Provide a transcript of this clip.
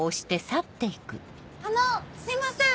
あのすいません！